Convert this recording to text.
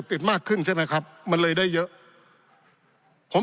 ปี๑เกณฑ์ทหารแสน๒